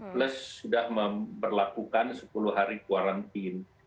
plus sudah berlakukan sepuluh hari kuarantin